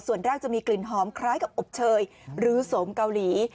ส่วนแรกจะมีกลิ่นหอมคล้ายกับอบเชยหรือสมเกาหลี